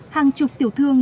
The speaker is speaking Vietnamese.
hàng chục tiểu thương